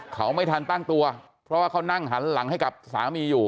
เขาไม่ทันตั้งตัวเพราะว่าเขานั่งหันหลังให้กับสามีอยู่